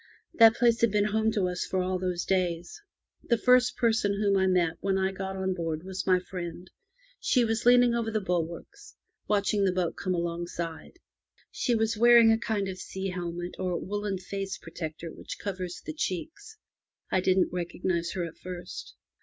That place had been home to us for all those days. The first person whom I met when 1 got on board was my friend. She was leaning over the bulwarks, watch ing the boat come alongside. She was wearing a kind of sea helmet or woolen face protector which covers the cheeks. I didn't recog nize her at first.